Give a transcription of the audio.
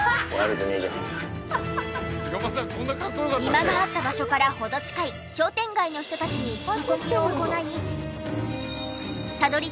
美馬があった場所から程近い商店街の人たちに聞き込みを行い。